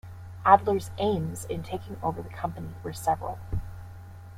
Adler's aims in taking over the company were several.